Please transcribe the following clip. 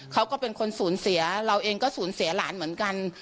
เขาก็เป็นคนสูญเสียเราเองก็สูญเสียหลานเหมือนกัน